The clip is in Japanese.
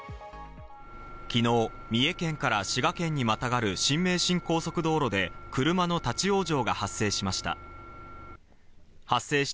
昨日、三重県から滋賀県にまたがる新名神高速道路で車の立ち往生が発生しました。